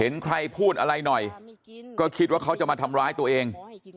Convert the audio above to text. เห็นใครพูดอะไรหน่อยก็คิดว่าเขาจะมาทำร้ายตัวเอง